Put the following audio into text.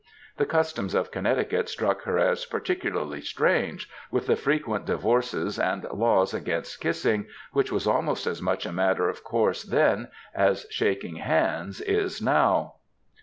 The customs of Connecticut struck her as particularly strange, with the frequent divorces and laws against kissing, which was almost as much a matter of course then as shaking hands is now.